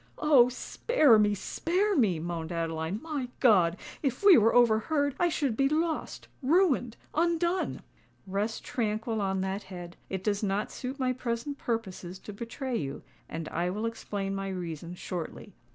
"Oh! spare me—spare me!" moaned Adeline. "My God! if we were overheard! I should be lost—ruined—undone!" "Rest tranquil on that head:—it does not suit my present purposes to betray you—and I will explain my reason shortly.